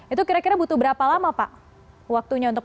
itu kira kira butuh berapa lama pak